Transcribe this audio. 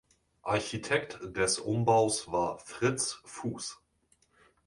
Architekt des Umbaus war Fritz Fuß.